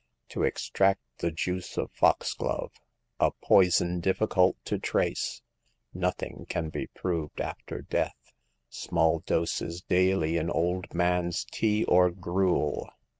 : To extract the juice of foxglove— a poison difficult to trace — nothing can be proved after death. Small doses daily in old man's tea or gruel.